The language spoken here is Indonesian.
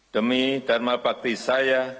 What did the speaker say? demi dharma bakti saya